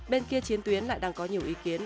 bên kia chiến tuyến lại đang có nhiều ý kiến